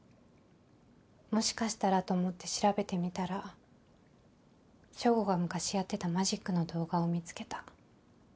もしかしたらと思って調べてみたらＳＨＯＧＯが昔やってたマジックの動画を見つけた。